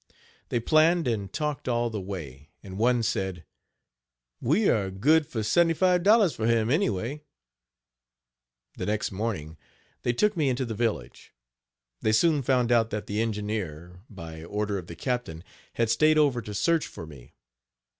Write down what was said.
They planned and talked all the way, and one said: "We are good for $75.00 for him any way." The next morning they took me into the village. They soon found out that the engineer, by order of the captain, had stayed over to search for me.